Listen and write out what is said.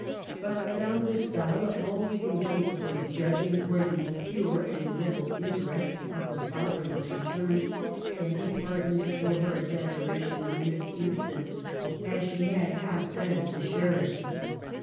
But Madame de Stael, always inca pable of judging where the "pure and noble" interests of her father were concerned, can be pardoned for her exaggeration in this instance, as she had half France to share it.